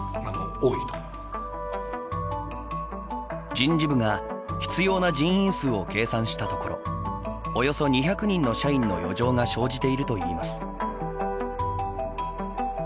人事部が必要な人員数を計算したところおよそ２００人の社員の余剰が生じているといいます。